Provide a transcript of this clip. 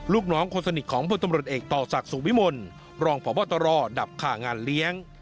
ลูกน้องคนสนิทของพลตำรวจเอกต่อศักดิ์สุวิมลรองพบตรดับขางานเลี้ยง